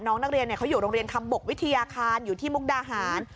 น้องนักเรียนเขาอยู่โรงเรียนคำบกวิทยาคารอยู่ที่มุกดาหาร